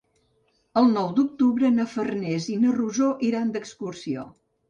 El nou d'octubre na Farners i na Rosó iran d'excursió.